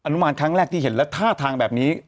นุมานครั้งแรกที่เห็นและท่าทางแบบนี้